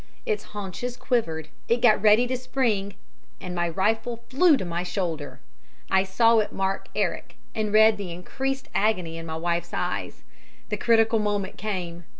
Its haunches quivered, it got ready to spring, and my rifle flew to my shoulder. I saw it mark Eric, and read the increased agony in my wife's eyes. The critical moment came.